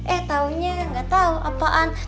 eh tahunya tidak tahu apa apa